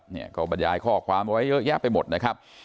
เนี่ยก็บรรยายข้อความเอาไว้เยอะแยะไปหมดนะครับ